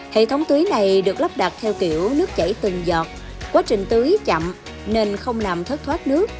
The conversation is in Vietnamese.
hệ thống tưới này được lắp đặt theo kiểu nước chảy từng giọt quá trình tưới chậm nên không làm thất thoát nước